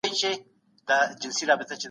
حقوق الله پوره کړئ.